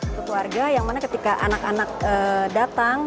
untuk keluarga yang mana ketika anak anak datang